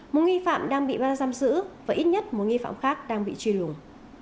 một nghi phạm đang bị ban giam giữ và ít nhất một nghi phạm khác đang bị truy lùng